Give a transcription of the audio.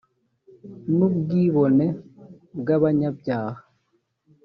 n ubwibone bw abanyabyaha